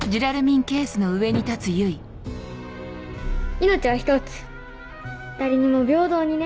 命はひとつ誰にも平等にね。